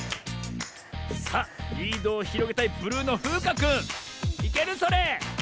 さあリードをひろげたいブルーのふうかくんいけるそれ？